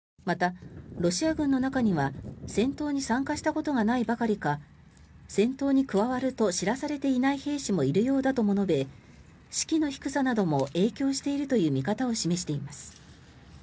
また、ロシア軍の中には戦闘に参加したことがないばかりか戦闘に加わると知らされていない兵士もいるようだと述べ士気の低さなども影響しているという見方を示しています。